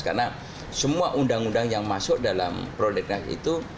karena semua undang undang yang masuk dalam prolegnas itu